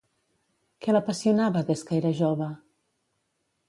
Què l'apassionava des que era jove?